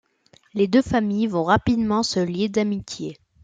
Les deux familles vont rapidement se lier d'amitié.